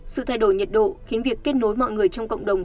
sự thay đổi nhiệt độ khiến việc kết nối mọi người trong cộng đồng